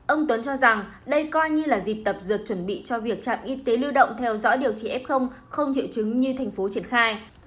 ông tuấn cho rằng đây coi như là dịp tập dượt chuẩn bị cho việc trạm y tế lưu động theo dõi điều trị f không triệu chứng như thành phố triển khai